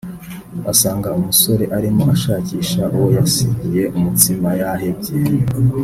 asanga umusore arimo ashakisha uwo yasigiye umutsima yahebye